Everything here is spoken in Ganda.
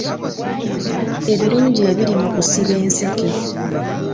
Ebirungi ebiri mu kusiba enseke.